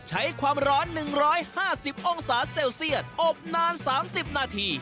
ใช้ความร้อน๑๕๐องศาเซลเซียตอบนาน๓๐นาที